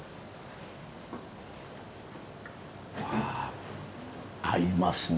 あ合いますね